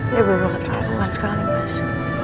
ya benar benar keterlaluan sekali mas